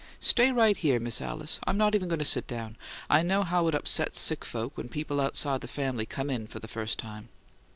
"Stay right here, Miss Alice; I'm not even going to sit down. I know how it upsets sick folks when people outside the family come in for the first time."